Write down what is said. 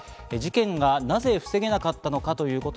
事件はなぜ防げなかったのか？